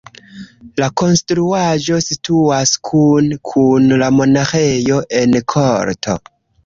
La konstruaĵo situas kune kun la monaĥejo en korto.